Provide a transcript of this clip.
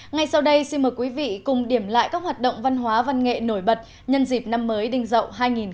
ngay sau đây xin mời quý vị cùng điểm lại các hoạt động văn hóa văn nghệ nổi bật nhân dịp năm mới đinh dậu hai nghìn hai mươi